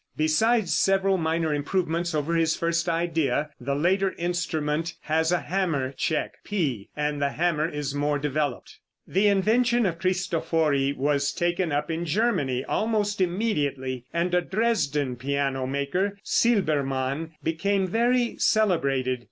(Besides several minor improvements over his first idea, the later instrument has a hammer check, p, and the hammer is more developed.)] The invention of Cristofori was taken up in Germany almost immediately, and a Dresden piano maker, Silbermann, became very celebrated.